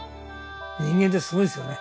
人間ってすごいですよね